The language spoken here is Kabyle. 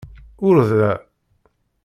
Ur da.